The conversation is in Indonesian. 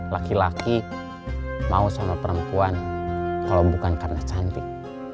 laki laki mau sama perempuan kalau bukan karena cantik